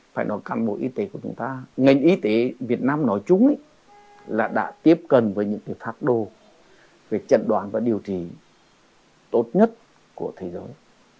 phải nói cán bộ y tế của chúng ta ngành y tế việt nam nói chung là đã tiếp cận với những phác đồ về chẩn đoán và điều trị tốt nhất của thế giới